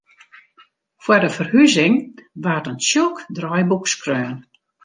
Foar de ferhuzing waard in tsjok draaiboek skreaun.